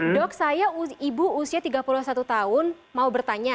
dok saya ibu usia tiga puluh satu tahun mau bertanya